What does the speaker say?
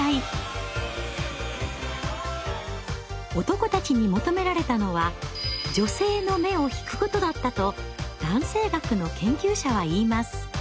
男たちに求められたのは女性の目を引くことだったと男性学の研究者は言います。